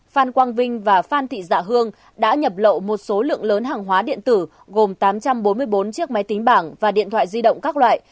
phan quang vinh và phan thị dạ hương đã nhập lậu một số lượng lớn hàng hóa điện tử gồm tám trăm bốn mươi bốn chiếc máy tính bảng và điện thoại di động các loại